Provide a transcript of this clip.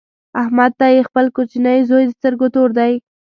احمد ته یې خپل کوچنۍ زوی د سترګو تور دی.